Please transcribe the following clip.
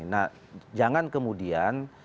nah jangan kemudian